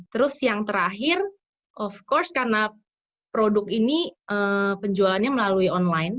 terus yang terakhir of course karena produk ini penjualannya melalui online